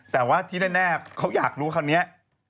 แต่ว่าที่แน่เขาอยากรู้คำนี้